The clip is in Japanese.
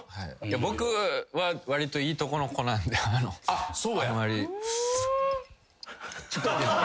僕はわりといいとこの子なんであんまり。